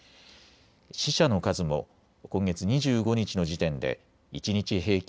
死者の数も今月２５日の時点で一日平均